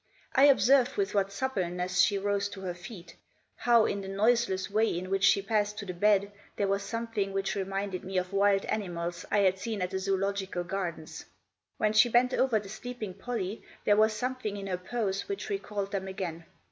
I observed with what suppleness she rose to her feet ; how, in the noiseless way in which she passed to the bed, there was something which reminded me of wild animals I had seen at the Zoological Gardens. When she bent over the sleeping Pollie there was something in her pose which recalled them again.